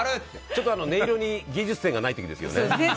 ちょっと音色に技術点がない時ですよね。